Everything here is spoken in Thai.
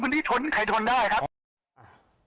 วันนี้ทนใครทนได้ครับ